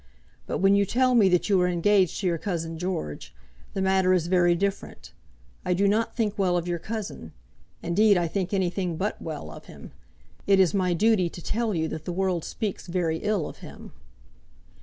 But when you tell me that you are engaged to your cousin George, the matter is very different. I do not think well of your cousin. Indeed I think anything but well of him. It is my duty to tell you that the world speaks very ill of him."